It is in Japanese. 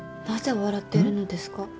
なぜ笑ってるのですか？